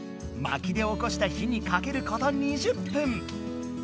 まきでおこした火にかけること２０分。